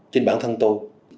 trên bản thân tôi